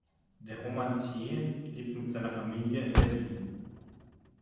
Der Romancier lebt mit seiner Familie in Berlin.